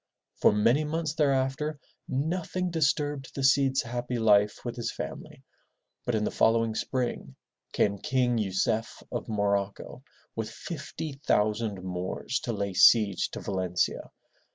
For many months thereafter, nothing disturbed the Cid's happy life with his family, but in the following spring, came King Yu cef of Morocco with fifty thousand Moors to lay siege to Valencia.